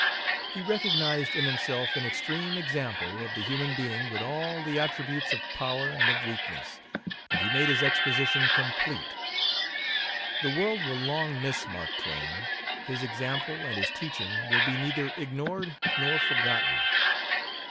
He recognized in himself an extreme example of the human being with all the attributes of power and of weakness, and he made his exposition complete. The world will long miss Mark Twain; his example and his teaching will be neither ignored nor forgotten.